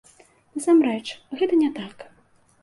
Насамрэч гэта не так.